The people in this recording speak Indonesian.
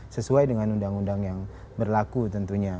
sesuai dengan undang undang yang berlaku tentunya